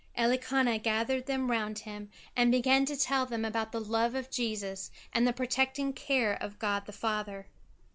Elikana gathered them round him, and began to tell them about the love of Jesus and the protecting care of God the Father.